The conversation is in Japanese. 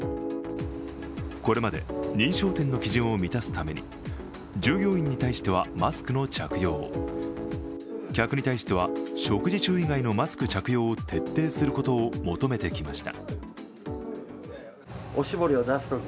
これまで認証店の基準を満たすために従業員に対してはマスクの着用を客に対しては食事中以外のマスク着用を徹底することを求めてきました。